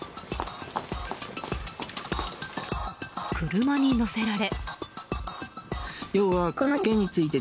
車に乗せられ。